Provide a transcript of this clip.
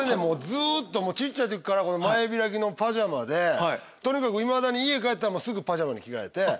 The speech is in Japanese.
ずっと小っちゃい時から前開きのパジャマでいまだに家帰ったらすぐパジャマに着替えて。